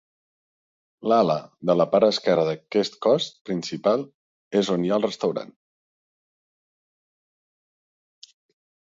L’ala de la part esquerra d’aquest cos principal, és on hi ha el restaurant.